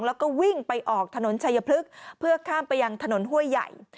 แล้วก็วิ่งไปออกถนนชัยพฤกษ์เพื่อข้ามไปยังถนนห้วยใหญ่